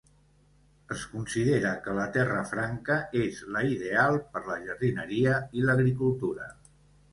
Es considera que la terra franca és la ideal per la jardineria i l'agricultura.